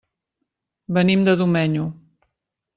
Venim de Domenyo.